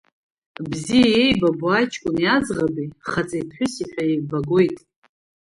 Бзиа иеибабо аҷкәыни аӡӷаби хаҵеи ԥҳәыси ҳәа иеибагоит.